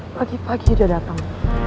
pagi pagi dia dateng